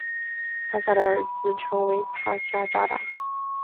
帕夏的儿子称为帕夏札达。